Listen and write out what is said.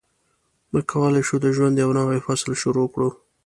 موږ کولای شو د ژوند یو نوی فصل شروع کړو.